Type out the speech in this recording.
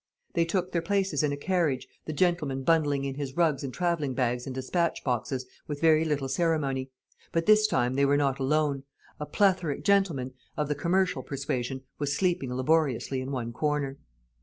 They took their places in a carriage, the gentleman bundling in his rugs and travelling bags and despatch boxes with very little ceremony; but this time they were not alone. A plethoric gentleman, of the commercial persuasion, was sleeping laboriously in one corner.